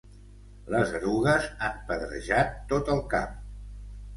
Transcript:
Les erugues han pedrejat tot el camp.